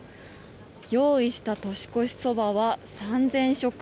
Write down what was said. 用意した年越しそばは３０００食。